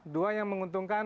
dua yang menguntungkan